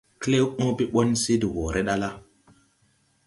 Klɛw õõbe ɓɔn se de wɔɔre ɗa la,